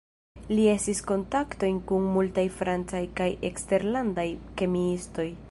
Li tenis kontaktojn kun multaj francaj kaj eksterlandaj kemiistoj.